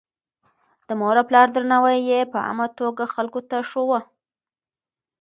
د مور او پلار درناوی يې په عامه توګه خلکو ته ښووه.